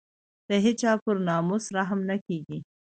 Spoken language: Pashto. د هېچا پر ناموس رحم نه کېږي.